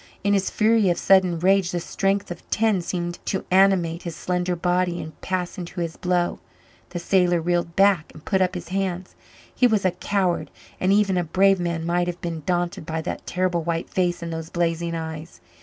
In his fury of sudden rage the strength of ten seemed to animate his slender body and pass into his blow. The sailor reeled back and put up his hands. He was a coward and even a brave man might have been daunted by that terrible white face and those blazing eyes.